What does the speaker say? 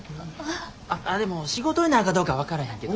ああでも仕事になるかどうか分からへんけど。